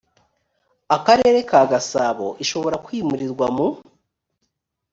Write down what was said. akarere ka gasabo ishobora kwimurirwa mu